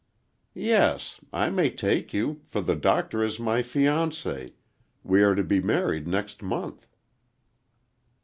"Yes; I may take you, for the Doctor is my fiance,—we are to be married next month."